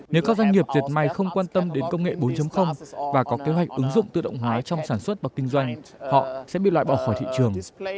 nếu các doanh nghiệp diệt may không quan tâm đến công nghệ bốn và có kế hoạch ứng dụng tự động hóa trong sản xuất và kinh doanh họ sẽ bị loại bỏ khỏi thị trường